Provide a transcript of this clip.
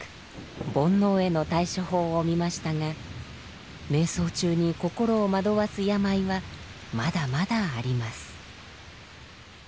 煩悩への対処法を見ましたが瞑想中に心を惑わす病はまだまだあります。